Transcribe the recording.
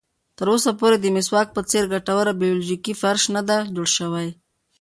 تر اوسه پورې د مسواک په څېر ګټوره بیولوژیکي فرش نه ده جوړه شوې.